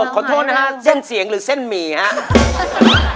ขอโทษนะฮะเส้นเสียงหรือเส้นหมี่ครับ